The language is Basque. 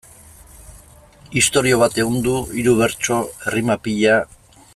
Istorio bat ehundu, hiru bertso, errima pila...